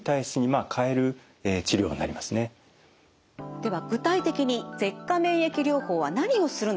では具体的に舌下免疫療法は何をするのかまとめました。